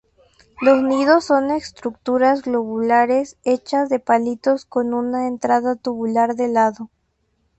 Los nidos son estructuras globulares hechas de palitos con una entrada tubular de lado.